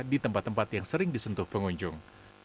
di tempat tempat yang sering disentuh pengunjung